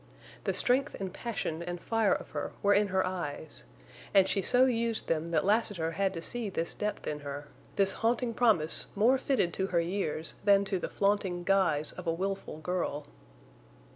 The strength and passion and fire of her were in her eyes, and she so used them that Lassiter had to see this depth in her, this haunting promise more fitted to her years than to the flaunting guise of a wilful girl.